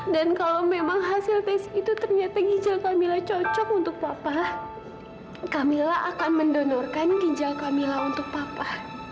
dan kalau memang hasil tes itu ternyata ginjal kamila cocok untuk papa kamila akan mendonorkan ginjal kamila untuk papa